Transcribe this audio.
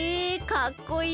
かっこいい！